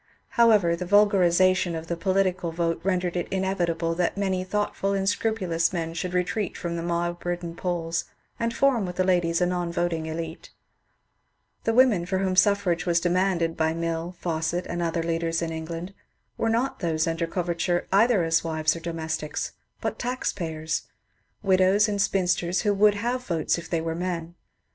How ever, the vulgarization of the political vote rendered it in evitable that many thoughtful and scrupulous men should retreat from the mob ridden polls and form with ladies a non voting Site, The women for whom suffrage was demanded by Mill, Fawcett, and other leaders in England were not those under coverture either as wives or domestics, but tax payers, — widows and spinsters who would have votes if they were men.